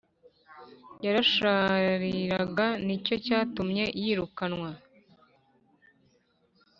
Yarashariraga ni cyo cyatumye yirukanwa